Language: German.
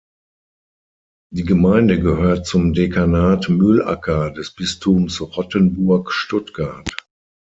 Die Gemeinde gehört zum Dekanat Mühlacker des Bistums Rottenburg-Stuttgart.